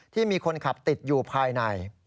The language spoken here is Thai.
ที่มีคนขับติดอยู่ภายใน